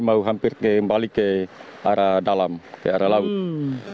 mau hampir kembali ke arah dalam ke arah laut